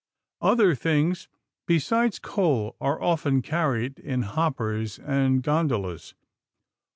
Other things besides coal are often carried in hoppers and gondolas.